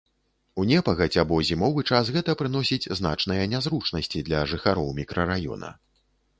У непагадзь або зімовы час гэта прыносіць значныя нязручнасці для жыхароў мікрараёна.